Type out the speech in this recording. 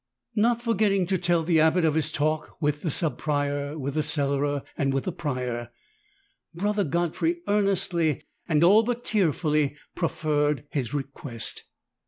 Not forgetting to tell the Abbot of his talk with the Sub Prior, with the Cellarer, and with the Prior, Brother Godfrey earnestly and all but tearfully preferred his request.